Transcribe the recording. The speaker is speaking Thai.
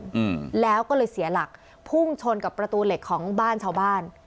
อืมแล้วก็เลยเสียหลักพุ่งชนกับประตูเหล็กของบ้านชาวบ้าน